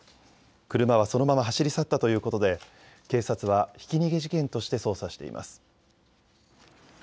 車はそのまま走り去ったということで警察はひき逃げ事件として捜査しています。